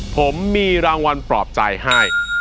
ผมมีรางวัลปลอบใจให้